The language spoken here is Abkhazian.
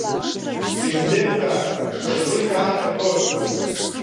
Ирзеилкаарым ҳәа угәы изаанагои?